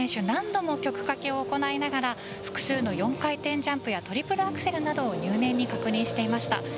何度も曲掛けを行いながら複数の４回転ジャンプやトリプルアクセルなどを入念に確認していました。